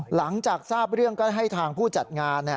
หลังจากทราบเรื่องก็ให้ทางผู้จัดงาน